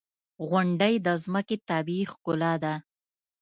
• غونډۍ د ځمکې طبیعي ښکلا ده.